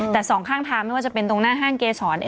แต่สองข้างทางไม่ว่าจะเป็นตรงหน้าห้างเกษร